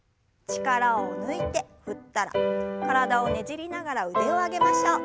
力を抜いて振ったら体をねじりながら腕を上げましょう。